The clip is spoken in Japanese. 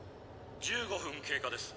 「１５分経過です。